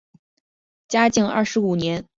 嘉靖二十五年迁扬州府同知。